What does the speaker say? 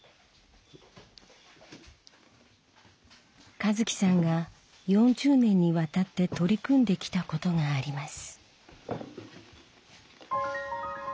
和樹さんが４０年にわたって取り組んできたことがあります。